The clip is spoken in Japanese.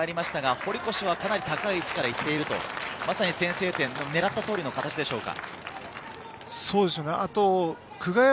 堀越はかなり高い位置から行っていると、先制点、狙った通りの形でしょうか？